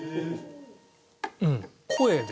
うん声で。